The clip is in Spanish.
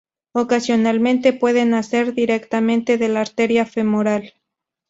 Ocasionalmente puede nacer directamente de la arteria femoral.